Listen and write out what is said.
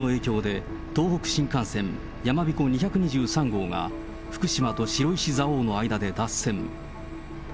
地震の影響で、東北新幹線やまびこ２２３号が、福島と白石蔵王の間で脱線。